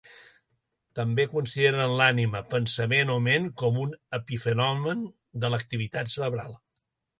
També consideren l'ànima, pensament o ment com un epifenomen de l'activitat cerebral.